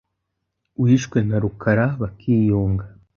wishwe na Rukara, bakiyunga.